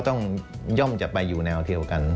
กระแสรักสุขภาพและการก้าวขัด